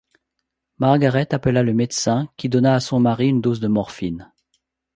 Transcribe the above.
Margareth appela un médecin qui donna à son mari une dose de morphine.